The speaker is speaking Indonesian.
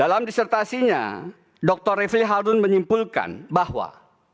dalam disertasinya dr refli harun menyimpulkan bahwa